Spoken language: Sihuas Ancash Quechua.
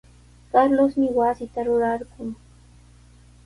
Carlosmi wasita rurarqun.